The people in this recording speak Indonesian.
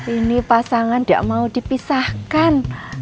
ini pasangan tidak mau dipisahkan